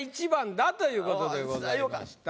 だということでございました。